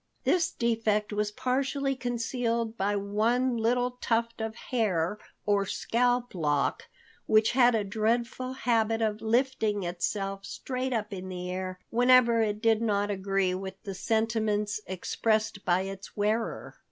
This defect was partially concealed by one little tuft of hair or scalp lock, which had a dreadful habit of lifting itself straight up in the air whenever it did not agree with the sentiments expressed by its wearer.